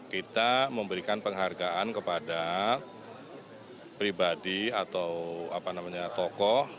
kita memberikan penghargaan kepada pribadi atau tokoh